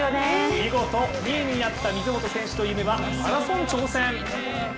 見事２位になった水本選手といえばマラソン挑戦。